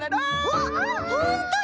あっほんとだ！